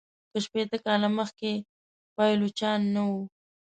که شپیته کاله مخکي پایلوچان نه وه.